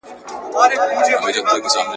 پر کیسو یې ساندي اوري د پېړیو جنازې دي ,